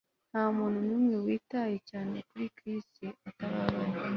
Ntamuntu numwe witaye cyane ko Chris atatabaye